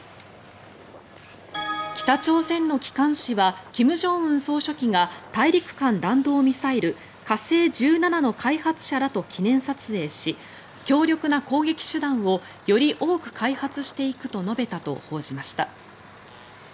北朝鮮の機関紙は金正恩総書記が大陸間弾道ミサイル火星１７の開発者らと記念撮影し強力な攻撃手段をより多く開発していくと述べたと報じました。